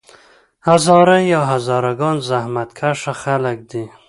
هزاره یا هزاره ګان زحمت کښه خلک دي.